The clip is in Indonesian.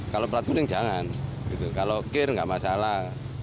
kalau plat kuning jangan kalau kir nggak masalah